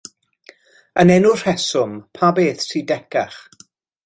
Yn enw rheswm, pa beth sy decach?